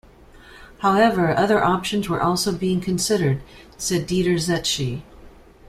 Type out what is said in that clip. However, other options were also being considered, said Dieter Zetsche.